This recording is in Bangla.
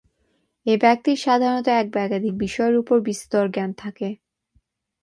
এই ব্যক্তির সাধারণত এক বা একাধিক বিষয়ের উপর বিস্তর জ্ঞান থাকে।